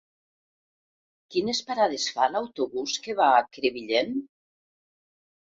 Quines parades fa l'autobús que va a Crevillent?